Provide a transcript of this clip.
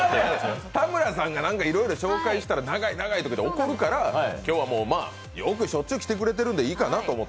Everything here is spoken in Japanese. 田村さんがなんかいろいろ紹介したら長い、長いとかって怒るから今日はしょっちゅう来てくれてるんで、いいかなって。